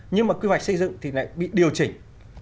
nhưng mà quy hoạch xây dựng thì lại bị điều chỉnh